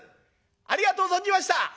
ありがとう存じました。